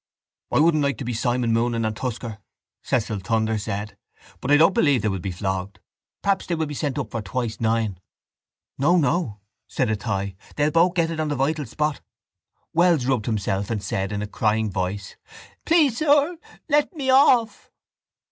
—I wouldn't like to be Simon Moonan and Tusker, Cecil Thunder said. But I don't believe they will be flogged. Perhaps they will be sent up for twice nine. —No, no, said Athy. They'll both get it on the vital spot. Wells rubbed himself and said in a crying voice: —Please, sir, let me off!